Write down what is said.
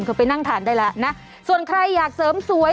เขาไปนั่งทานได้แล้วนะส่วนใครอยากเสริมสวย